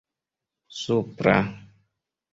supra